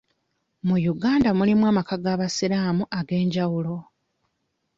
Mu Uganda mulimu amaka g'abasiraamu ag'enjawulo.